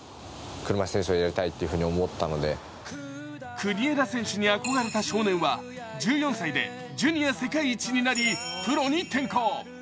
国枝選手に憧れた少年は１４歳でジュニア世界一になりプロに転向。